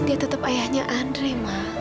dia tetep ayahnya andre ma